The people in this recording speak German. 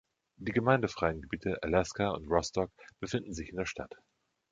Die gemeindefreien Gebiete Alaska und Rostok befinden sich in der Stadt.